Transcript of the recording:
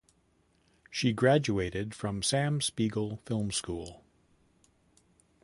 She graduated from Sam Spiegel film school.